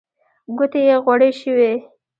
ګوتې يې غوړې شوې.